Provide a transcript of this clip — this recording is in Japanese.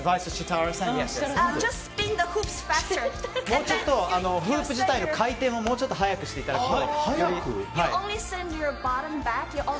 もうちょっとフープ自体の回転をもうちょっと速くしていただくと。